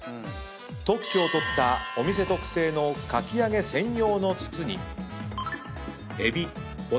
特許を取ったお店特製のかき揚げ専用の筒に。